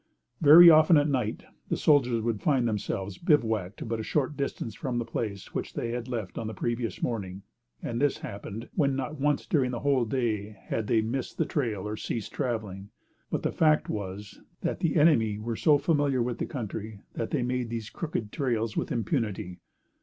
Very often, at night, the soldiers would find themselves bivouacked but a short distance from the place which they had left on the previous morning; and this happened, when not once during the whole day, had they missed the trail or ceased travelling; but the fact was, that the enemy were so familiar with the country that they made these crooked trails with impunity.